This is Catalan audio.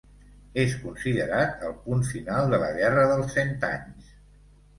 És considerat el punt final de la Guerra dels Cent Anys.